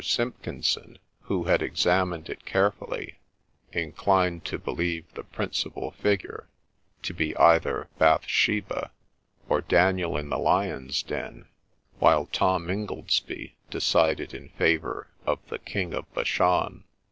Simpkinson, who had examined it carefully, inclined to believe the principal figure to be either Bathsheba, or Daniel in the lions' den ; while Tom Ingoldsby decided in favour of the King of Bashan.